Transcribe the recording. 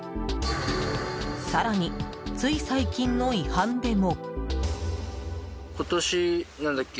更に、つい最近の違反でも。